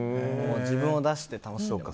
自分を出して楽しもうと。